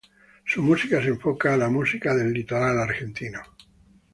Su música se enfoca a la música del litoral argentino.